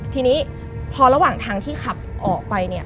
ทีนี้พอระหว่างทางที่ขับออกไปเนี่ย